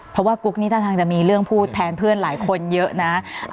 เพราะว่ากุ๊กนี่ท่าทางจะมีเรื่องพูดแทนเพื่อนหลายคนเยอะนะ